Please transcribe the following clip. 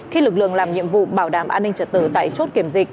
khi lực lượng làm nhiệm vụ bảo đảm an ninh trật tự tại chốt kiểm dịch